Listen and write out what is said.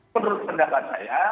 menurut pendapat saya